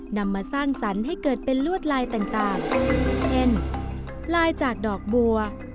นำมาสร้างสรรค์ให้เกิดเป็นลวดลายต่างเช่นลายจากดอกบัว